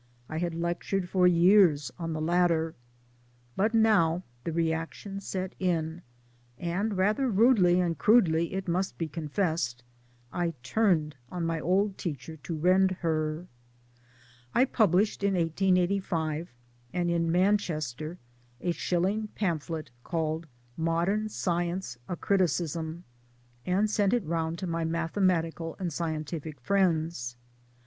I had lectured for years on the latter. But now the reaction set in ; and rather rudely and crudely it must be confessed I turned on my old teacher to rend her ! I published 1 in 1885, and in Manchester, a shilling pamphlet called Madern Science: A Criticism, and sent it round to my mathematical and scientific friends.